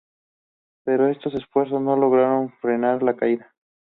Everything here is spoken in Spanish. Pero estos esfuerzos no lograron frenar la caída.